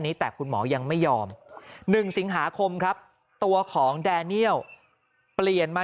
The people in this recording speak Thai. แต่คุณหมอยังไม่ยอม๑สิงหาคมครับตัวของแดเนียลเปลี่ยนมา